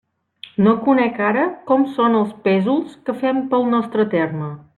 No conec ara com són els pésols que fem pel nostre terme.